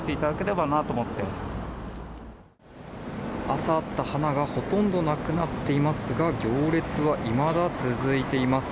朝あった花がほとんどなくなっていますが行列はいまだ続いています。